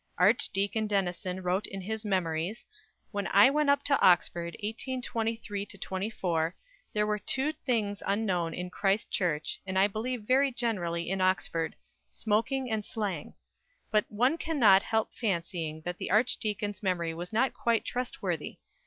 Archdeacon Denison wrote in his "Memories" "When I went up to Oxford, 1823 24, there were two things unknown in Christ Church, and I believe very generally in Oxford smoking and slang"; but one cannot help fancying that the archdeacon's memory was not quite trustworthy.